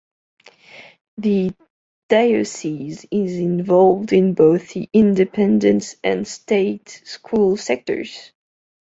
The diocese is involved in both the independent and state school sectors.